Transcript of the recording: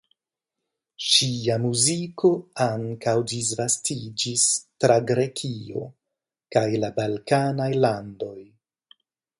Ŝia muziko ankaŭ disvastiĝis tra Grekio kaj la balkanaj landoj.